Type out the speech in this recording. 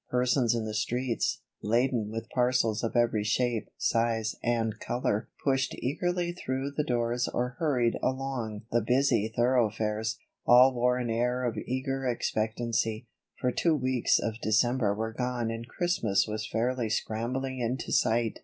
Persons in the streets, laden with parcels of every shape, size and color, pushed eagerly through the doors or hurried along the busy thoroughfares. All wore an air of eager expectancy, for two weeks of December were gone and Christmas was fairly scrambling into sight.